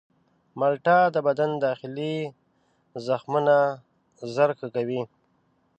مالټه د بدن داخلي زخمونه ژر ښه کوي.